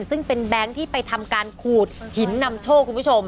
ซึ่งเป็นแบงค์ที่ไปทำการขูดหินนำโชคคุณผู้ชม